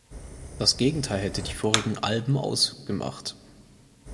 Das Gegenteil hätte die vorigen Alben ausgemacht.